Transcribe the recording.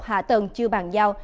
hạ tầng chưa bàn giao